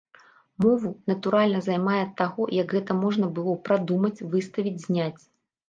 Мову, натуральна, займае ад таго, як гэта можна было прадумаць, выставіць, зняць.